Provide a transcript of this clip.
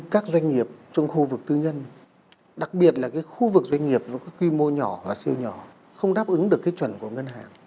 các doanh nghiệp trong khu vực tư nhân đặc biệt là cái khu vực doanh nghiệp có quy mô nhỏ và siêu nhỏ không đáp ứng được cái chuẩn của ngân hàng